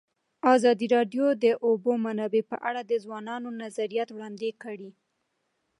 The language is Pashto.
ازادي راډیو د د اوبو منابع په اړه د ځوانانو نظریات وړاندې کړي.